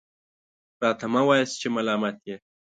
راته مه وایاست چې ملامت یې .